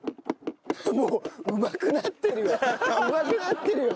うまくなってるよ！